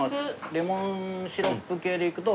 レモンシロップ系でいくと。